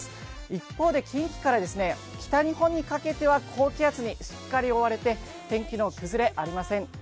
一方で近畿から北日本にかけては高気圧にしっかり覆われて天気の崩れありません。